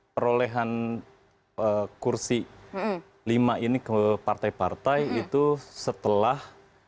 perolehan kursi lima ini ke partai partai itu setelah